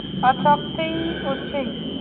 Achoktoi ochei